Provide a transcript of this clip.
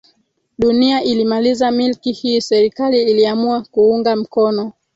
Dunia ilimaliza milki hii Serikali iliamua kuunga mkono